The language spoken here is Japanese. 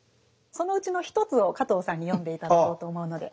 そのうちの１つを加藤さんに読んで頂こうと思うので。